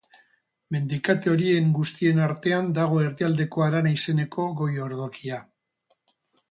Mendikate horien guztien artean dago Erdialdeko Harana izeneko goi-ordokia.